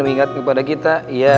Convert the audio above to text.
mengingat kepada kita